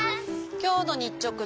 きょうのにっちょく